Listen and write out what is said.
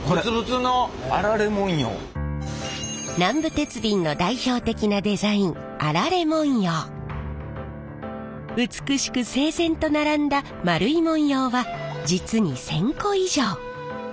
南部鉄瓶の代表的なデザイン美しく整然と並んだ丸い文様は実に１，０００個以上。